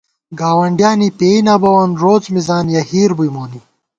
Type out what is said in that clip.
گاوَنڈیانےپېئ نہ بَوون روڅ مِزان یَہ ہِیر بُئی مونی